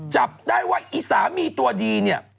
จับได้ว่าอีสามีตัวดีเนี่ย